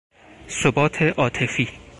ثبات عاطفی